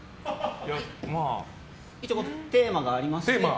一応テーマがありまして。